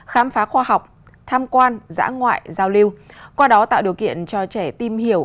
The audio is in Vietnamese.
khám phá khoa học tham quan giã ngoại giao lưu qua đó tạo điều kiện cho trẻ tìm hiểu